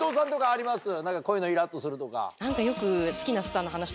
こういうのイラっとするとか。